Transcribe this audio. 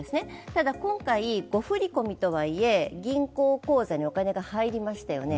ただ、今回、誤振り込みとはいえ銀行口座にお金が入りましたよね。